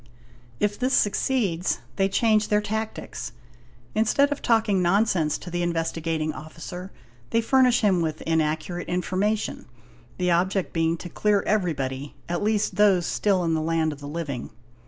If this succeeds, they, change their tactics ; instead of talking nonsense to the Investigating Officer, they furnish him with inaccurate information, the object being to clear everybody, at least those still in the land of the living.